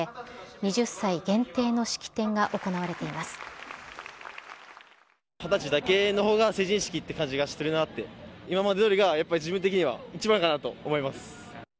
２０歳だけのほうが成人式って感じがするなって、今までどおりがやっぱり自分的には一番かなと思います。